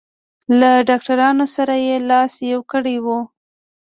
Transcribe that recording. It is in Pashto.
له ډاکټرانو سره یې لاس یو کړی و.